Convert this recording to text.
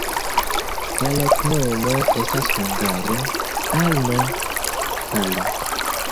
La loknomo estas hungare: alno-valo.